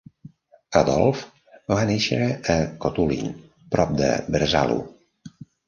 Adolf va néixer a Kotulin, prop de Bresalu.